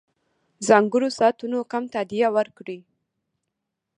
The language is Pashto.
ځانګړو ساعتونو کم تادیه ورکړي.